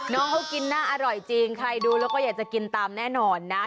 น้องเขากินน่าอร่อยจริงใครดูแล้วก็อยากจะกินตามแน่นอนนะ